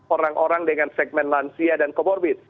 orang orang dengan segmen lansia dan comorbid